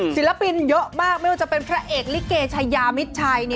ศิลปินเยอะมากไม่ว่าจะเป็นพระเอกลิเกด